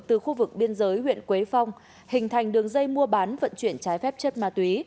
từ khu vực biên giới huyện quế phong hình thành đường dây mua bán vận chuyển trái phép chất ma túy